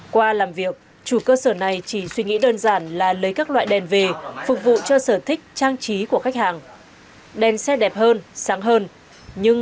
qua làm việc chủ cơ sở này chỉ suy nghĩ đơn giản là lấy các loại đèn về phục vụ cho sở thích trang trí của khách hàng